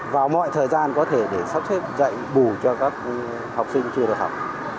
vào mọi thời gian có thể để sắp xếp dạy bù cho các học sinh chưa được học